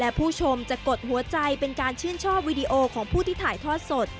และผู้ชมจะกดหัวใจเป็นการชื่นชอบวีดีโอของผู้ที่ถ่ายทอดสด